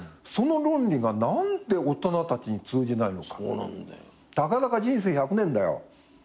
その論理が何で大人たちに通じないのか。たかだか人生１００年だよ。